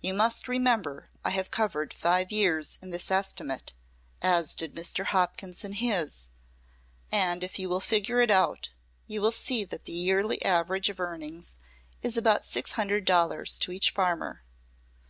You must remember I have covered five years in this estimate, as did Mr. Hopkins in his, and if you will figure it out you will see that the yearly average of earnings is about six hundred dollars to each farmer.